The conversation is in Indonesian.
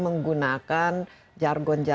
menggunakan jargon jargon yang lain